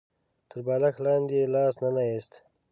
تر بالښت لاندې يې لاس ننه ايست.